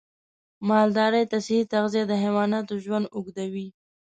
مالدارۍ ته صحي تغذیه د حیواناتو ژوند اوږدوي.